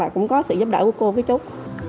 cũng có sự giúp đỡ của cô với chút